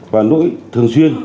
và nỗi thường xuyên